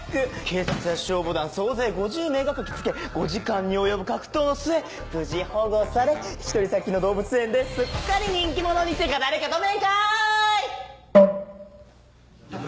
警察や消防団総勢５０名が駆け付け５時間に及ぶ格闘の末無事保護され引き取り先の動物園ですっかり人気者にてか誰か止めんかい！